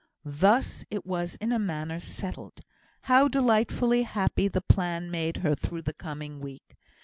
Thus it was in a manner settled. How delightfully happy the plan made her through the coming week!